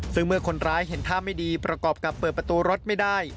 ซึ่งเมื่อคนร้ายเห็นท่าไม่ดีประกอบกับเปิดประตูรถไม่ได้